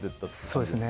そうですね。